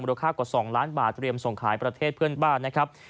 ราคากว่า๒ล้านบาทเตรียมส่งขายประเทศเพื่อนบ้านนะครับ